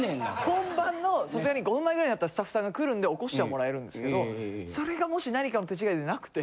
本番のさすがに５分前ぐらいになったらスタッフさんが来るんで起こしてはもらえるんですけどそれがもし何かの手違いで無くて。